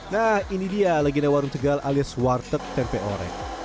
nah ini dia legenda warung tegal alias warteg tempe orek